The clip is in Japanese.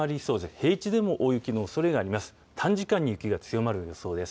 平地でも大雪のおそれがあります。